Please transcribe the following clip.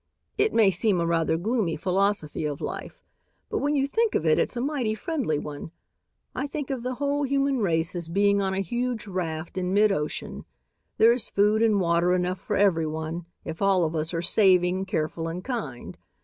"It may seem a rather gloomy philosophy of life, but when you think of it, it's a mighty friendly one. I think of the whole human race as being on a huge raft in mid ocean. There's food and water enough for everyone if all of us are saving, careful and kind.